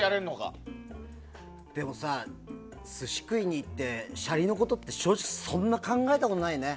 でもさ、寿司食いに行ってシャリのことって正直、そんな考えたことないよね。